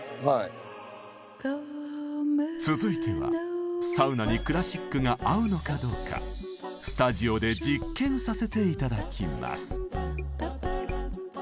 続いてはサウナにクラシックが合うのかどうかスタジオで実験させて頂きます。